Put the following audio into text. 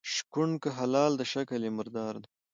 شکوڼ که حلال ده شکل یي د مردار ده.